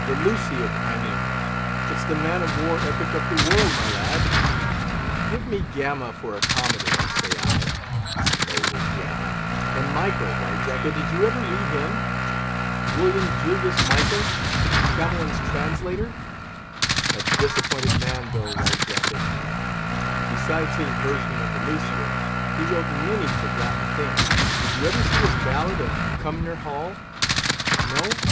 The Lusiad, I mean? It's the man of war epic of the world, my lad. Give me Gama for a Commodore, say I—Noble Gama! And Mickle, White Jacket, did you ever read of him? William Julius Mickle? Camoens's Translator? A disappointed man though, White Jacket. Besides his version of the Lusiad, he wrote many forgotten things. Did you ever see his ballad of Cumnor Hall?—No?